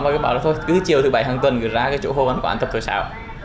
và cứ bảo là thôi cứ chiều thứ bảy hàng tuần gửi ra cái chỗ hô văn quản tập chơi sáo